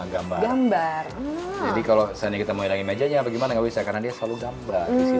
gambar gambar jadi kalau saya kita menghilangkan aja ya bagaimana bisa karena dia selalu gambar